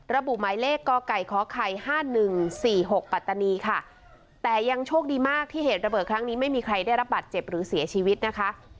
ระบุหมายเลขกไก่คไข่๕๑๔๖ปัตตานีค่ะแต่ยังโชคดีมากที่เหตุระเบิดครั้งนี้ไม่มีใครได้รับบัตรเจ็บหรือเสียชีวิตนะคะ